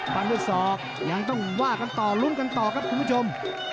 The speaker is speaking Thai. ฟันด้วยศอกยังต้องว่ากันต่อลุ้นกันต่อครับคุณผู้ชม